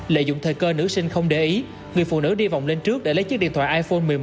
lợi dụng thời cơ nữ sinh không để ý người phụ nữ đi vòng lên trước để lấy chiếc điện thoại iphone một mươi một